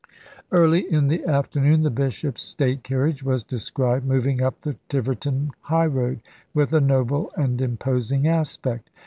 Early in the afternoon the Bishop's state carriage was descried moving up the Tiverton highroad, with a noble and imposing aspect.